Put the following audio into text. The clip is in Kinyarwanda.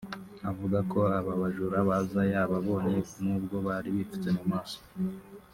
Avuga ko aba bajura baza yababonye nubwo bari bipfutse mu maso